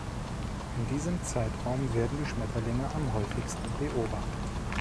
In diesem Zeitraum werden die Schmetterlinge am häufigsten beobachtet.